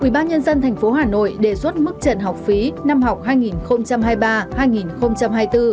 quỹ ban nhân dân tp hà nội đề xuất mức trần học phí năm học hai nghìn hai mươi ba hai nghìn hai mươi bốn